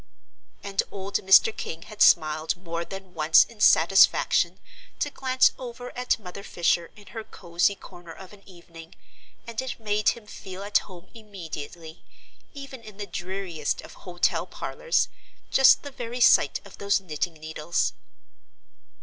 And old Mr. King had smiled more than once in satisfaction to glance over at Mother Fisher in her cosey corner of an evening, and it made him feel at home immediately, even in the dreariest of hotel parlours, just the very sight of those knitting needles.